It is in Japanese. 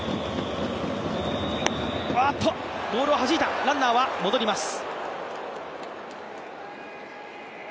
ボールをはじいた、ランナーは戻ります。